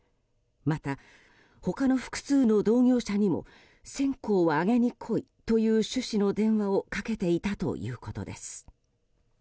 また、他の複数の同業者にも線香をあげに来いという主旨の電話をかけていたということです。